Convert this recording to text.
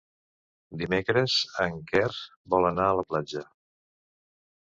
Dimecres en Quer vol anar a la platja.